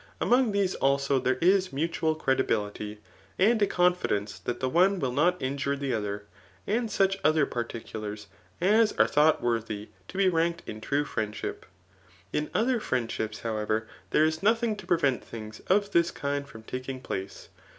Among these also there is mutual credibility, and a confidence that the one will not injure the other, and such other particulars as are thought worthy to be ranked in tVK friendship. In other friendships, however, there is nothing to prevent things of this kind from taking place.